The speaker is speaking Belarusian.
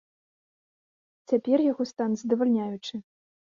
Цяпер яго стан здавальняючы.